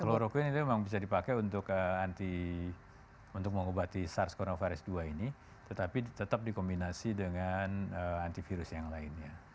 kloroquine itu memang bisa dipakai untuk anti untuk mengobati sars cov dua ini tetapi tetap dikombinasi dengan antivirus yang lainnya